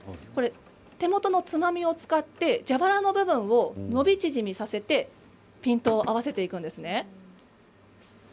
手元のつまみを使って蛇腹を伸び縮みさせてピントを合わせていくんですね。